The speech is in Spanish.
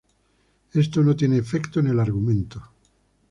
Esto no tiene efecto en el argumento.